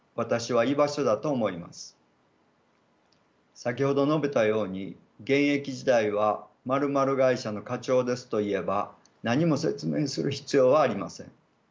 先ほど述べたように現役時代は○○会社の課長ですと言えば何も説明する必要はありません。